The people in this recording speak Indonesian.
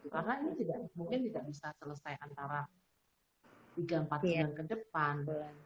karena ini mungkin tidak bisa selesai antara tiga empat jam ke depan